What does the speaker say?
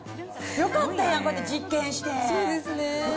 よかったんやん、こうやって実験そうですね。